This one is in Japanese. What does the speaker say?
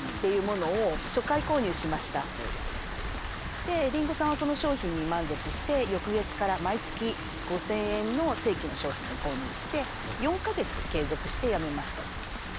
でりんごさんはその商品に満足して翌月から毎月５，０００円の正規の商品を購入して４か月継続してやめました。